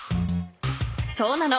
そうなの。